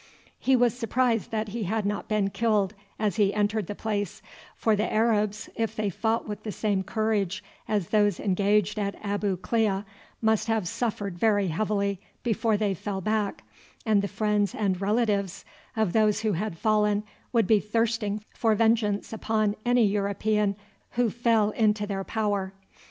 He was surprised that he had not been killed as he entered the place, for the Arabs, if they fought with the same courage as those engaged at Abu Klea, must have suffered very heavily before they fell back, and the friends and relatives of those who had fallen would be thirsting for vengeance upon any European who fell into their power.